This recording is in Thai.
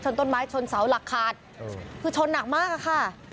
ต้นไม้ชนเสาหลักขาดคือชนหนักมากอะค่ะ